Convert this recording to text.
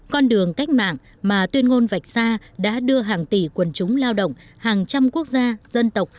con đường cách mạng mà tuyên ngôn vạch xa đã đưa hàng tỷ quần chúng lao động hàng trăm quốc gia dân tộc